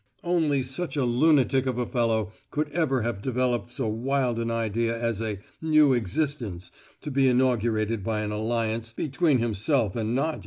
Only such a lunatic of a fellow could ever have developed so wild an idea as a 'new existence' to be inaugurated by an alliance between himself and Nadia.